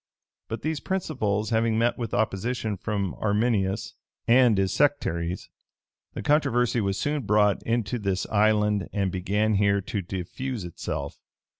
But these principles having met with opposition from Arminius and his sectaries, the controversy was soon brought into this island and began here to diffuse itself.